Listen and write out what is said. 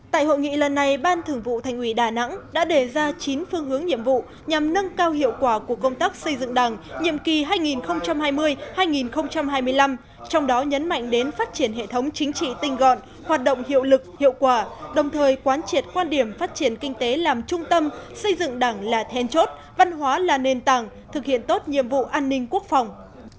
tại hội nghị lần này ban thường vụ thành ủy đà nẵng đã đề ra chín phương hướng nhiệm vụ nhằm nâng cao hiệu quả của công tác xây dựng đảng nhiệm kỳ hai nghìn hai mươi hai nghìn hai mươi năm trong đó nhấn mạnh đến phát triển hệ thống chính trị tinh gọn hoạt động hiệu lực hiệu quả đồng thời quán triệt quan điểm phát triển kinh tế làm trung tâm xây dựng đảng là thèn chốt văn hóa là nền tảng thực hiện tốt nhiệm vụ an ninh quốc phòng